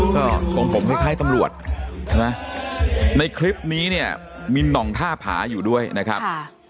ก็ของผมคล้ายตำรวจใช่ไหมในคลิปนี้เนี่ยมีหน่องท่าผาอยู่ด้วยนะครับ